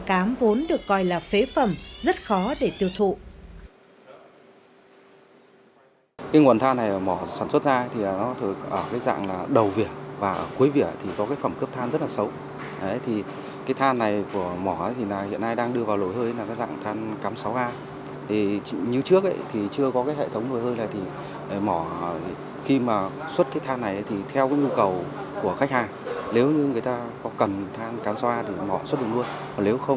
các than cám vốn được coi là phế phẩm rất khó để tiêu thụ